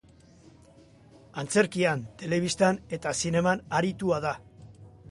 Antzerkian, telebistan eta zineman aritua da.